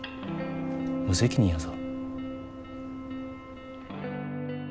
無責任やぞ。